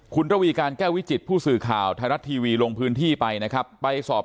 คุณระวีการแก้ววิจิตผู้สื่อข่าวไทยรัฐทีวีลงพื้นที่ไปนะครับไปสอบ